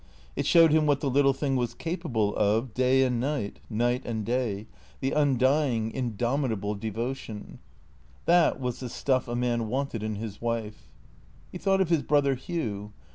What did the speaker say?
It showed him what the little thing was capable of, day and night, night and day, the undying, indom THE C E E A T 0 Pt S 499 itable devotion. That was the stuff a man wanted in his wife. He thought of his brother Hugh.